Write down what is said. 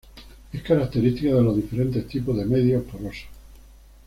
Es característico de los diferentes tipos de medio poroso.